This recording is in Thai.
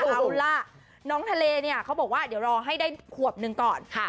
เอาล่ะน้องทะเลเนี่ยเขาบอกว่าเดี๋ยวรอให้ได้ขวบหนึ่งก่อน